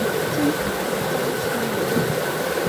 曾祖父章希明。